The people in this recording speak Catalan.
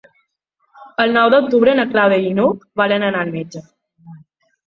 El nou d'octubre na Clàudia i n'Hug volen anar al metge.